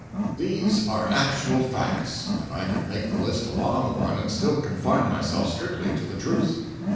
310.jpg (27K) These are actual facts, and I could make the list a long one and still confine myself strictly to the truth.